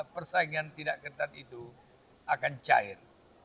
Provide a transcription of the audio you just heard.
persaingan tidak ketat itu akan cair